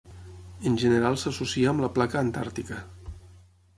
En general s'associa amb la Placa antàrtica.